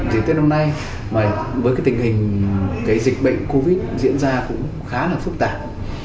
đến đến hôm nay với tình hình dịch bệnh covid diễn ra cũng khá là phức tạp